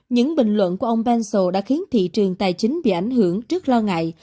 những bình luận của ông pencio đã khiến thị trường tài chính bị ảnh hưởng trước lo ngại